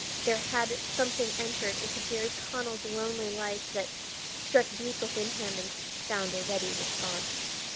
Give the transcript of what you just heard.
there had something entered into Garry Connell's lonely life that struck deep within him and found a ready response.